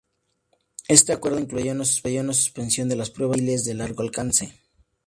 Este acuerdo incluía una suspensión de las pruebas de misiles de largo alcance.